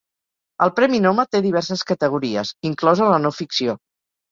El Premi Noma té diverses categories, inclosa la no-ficció.